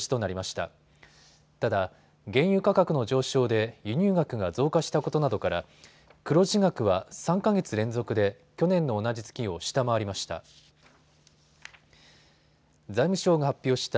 ただ、原油価格の上昇で輸入額が増加したことなどから黒字額は３か月連続で去年の同じ月を下回りました。